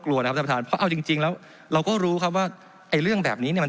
นะครับท่านประธานเพราะเอาจริงแล้วเราก็รู้ครับว่าไอ้เรื่องแบบนี้เนี่ยมัน